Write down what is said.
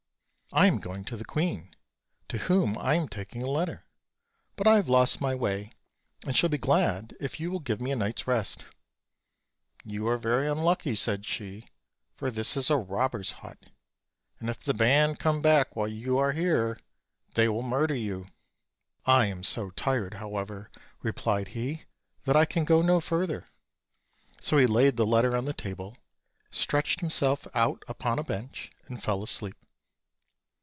"I am going to the queen, to whom I am taking a let ter; but I have lost my way, and shall be glad if you will give me a night's rest." "You are very unlucky," said she, "for this is a rob bers' hut; and if the band come back while you are here, they will murder you." "I am so tired, however," replied he, "that I can go no further;" so he laid the letter on the table, stretched himself out upon a bench, and fell asleep.